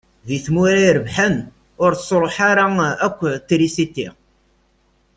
Di tmura irebḥen ur tettṛuḥu ara akk trisiti.